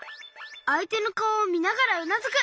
あいてのかおをみながらうなずく。